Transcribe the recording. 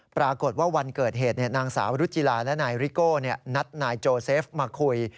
ปรากฏว่าวันเกิดเหตุนางสาวรุจิลาและนายริโก้นัดนายโจเซฟมาคุย